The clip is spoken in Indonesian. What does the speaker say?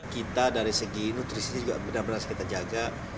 kita dari segi nutrisi juga benar benar kita jaga